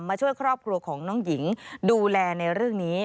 ช่วยครอบครัวของน้องหญิงดูแลในเรื่องนี้